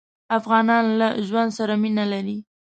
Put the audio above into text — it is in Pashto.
افغانان له ژوند سره مينه لري.